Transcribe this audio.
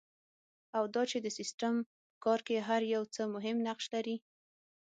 او دا چې د سیسټم په کار کې هر یو څه مهم نقش لري.